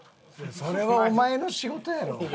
それはお前の仕事やろ。